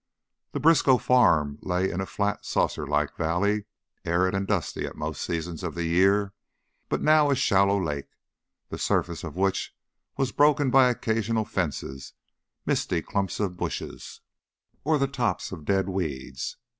The Briskow farm lay in a flat, saucerlike valley, arid and dusty at most seasons of the year, but now a shallow lake, the surface of which was broken by occasional fences, misty clumps of bushes, or the tops of dead weeds.